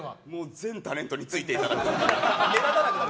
全タレントについていただく！